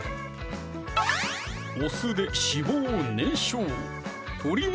お酢で脂肪燃焼